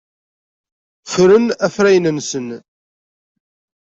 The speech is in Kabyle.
Ffren afrayen-nsen.